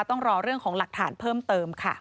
ต้องรอเรื่องของหลักฐานเพิ่มเติมค่ะ